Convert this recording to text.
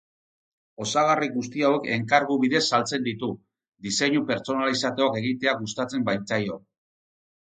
Osagarri guzti hauek enkargu bidez saltzen ditu, diseinu pertsonalizatuak egitea gustatzen baitzaio.